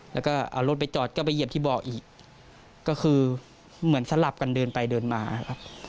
แล้วก็เอารถไปจอดก็ไปเหยียบที่เบาะอีกก็คือเหมือนสลับกันเดินไปเดินมาครับ